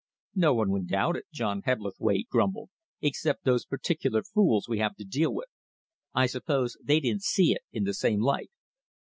"No one would doubt it," John Hebblethwaite grumbled, "except those particular fools we have to deal with. I suppose they didn't see it in the same light."